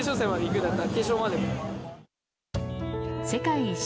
世界一周